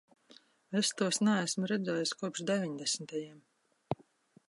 Es tos neesmu redzējis kopš deviņdesmitajiem.